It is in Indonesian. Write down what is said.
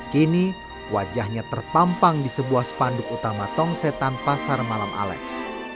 kini wajahnya terpampang di sebuah spanduk utama tong setan pasar malam alex